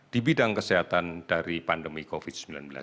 di bidang kesehatan dari pandemi covid sembilan belas